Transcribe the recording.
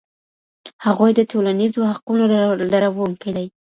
هغوی د ټولنیزو حقونو لرونکي دي.